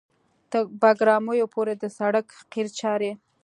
تر بګرامیو پورې د سړک قیر چارې